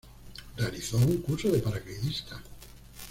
Realizó un curso de paracaidista.